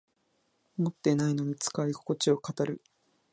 持ってないのに使いここちを語る